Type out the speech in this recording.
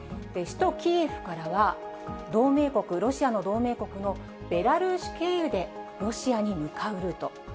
首都キエフからは、同盟国、ロシアの同盟国のベラルーシ経由で、ロシアに向かうルート。